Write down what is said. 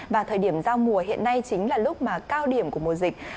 và thời điểm giao mùa hiện nay chính là lúc mà cao điểm của mùa dịch